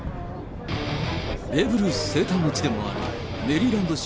ベーブ・ルース生誕の地でもあるメリーランド州